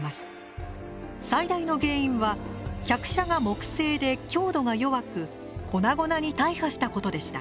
最大の原因は客車が木製で強度が弱く粉々に大破したことでした。